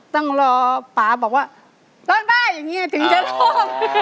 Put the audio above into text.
ต้องรอป่าบอกว่าร้องได้อย่างนี้ถึงจะร้อง